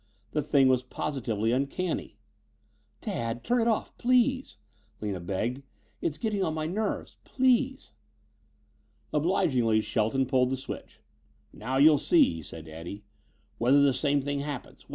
The thing was positively uncanny. "Dad! Turn it off please," Lina begged. "It's getting on my nerves. Please!" Obligingly, Shelton pulled the switch. "Now you'll see," he said to Eddie, "whether the same thing happens.